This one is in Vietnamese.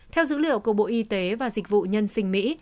theo dữ liệu của bộ y tế và dịch vụ nhân sinh mỹ